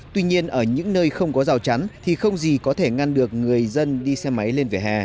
tuy nhiên ở những nơi không có rào chắn thì không gì có thể ngăn được người dân đi xe máy lên vỉa hè